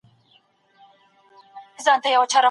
هغه د الهي احکامو تر ټولو لومړی استازی ګڼل کیده.